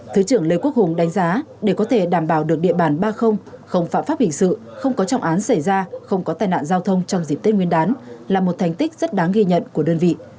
thứ trưởng lê quốc hùng đánh giá để có thể đảm bảo được địa bàn ba không phạm pháp hình sự không có trọng án xảy ra không có tài nạn giao thông trong dịp tết nguyên đán là một thành tích rất đáng ghi nhận của đơn vị